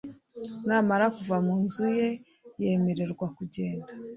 Namara kuva mu nzu ye yemererwa kugenda